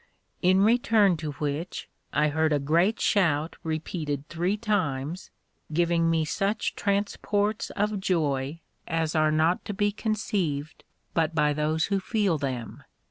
In return to which I heard a great shout repeated three times, giving me such transports of joy as are not to be conceived but by those who feel them.